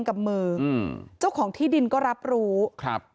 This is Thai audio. สวัสดีคุณผู้ชายสวัสดีคุณผู้ชาย